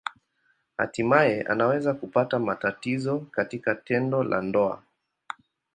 Hatimaye anaweza kupata matatizo katika tendo la ndoa.